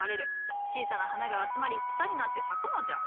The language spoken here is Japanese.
小さな花が集まり房になって咲くのじゃ。